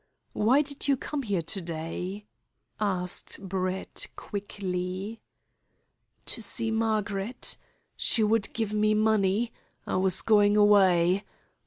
"Why did you come here to day?" asked Brett quickly. "To see Margaret. She would give me money. I was going away.